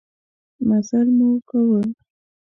مزلمو کاوه.